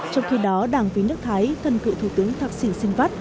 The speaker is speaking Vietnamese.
trong khi đó đảng vì nước thái thân cựu thủ tướng thạc xỉn sinh vắt